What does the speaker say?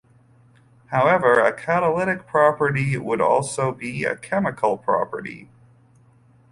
However, a catalytic property would also be a chemical property.